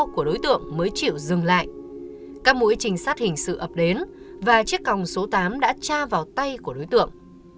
các mũi trình sát hình sự ập đến và chiếc còng số tám đã tra vào tay của đối tượng